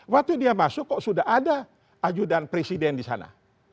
waktu dia masuk kok sudah ada ajudan presiden di sana